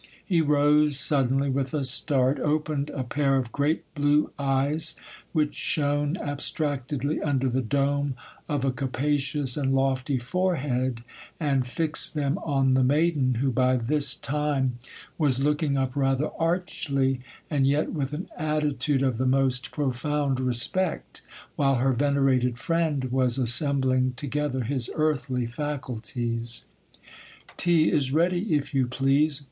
He rose suddenly with a start, opened a pair of great blue eyes, which shone abstractedly under the dome of a capacious and lofty forehead, and fixed them on the maiden, who by this time was looking up rather archly, and yet with an attitude of the most profound respect, while her venerated friend was assembling together his earthly faculties. 'Tea is ready, if you please.